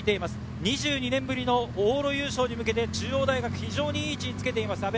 ２２年ぶりの往路優勝に向けて中央大学、いい位置につけています。